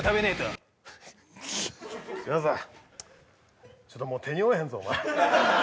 嶋佐ちょっともう手に負えへんぞお前。